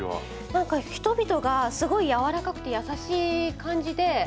なんか人々がすごい柔らかくて優しい感じで。